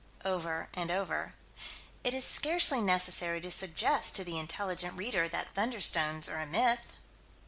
Over and over: "It is scarcely necessary to suggest to the intelligent reader that thunderstones are a myth."